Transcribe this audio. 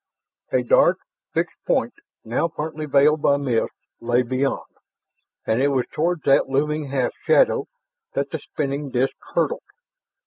A dark, fixed point, now partly veiled by mist, lay beyond, and it was toward that looming half shadow that the spinning disk hurtled.